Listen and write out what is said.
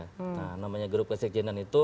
nah namanya grup kesekjenan itu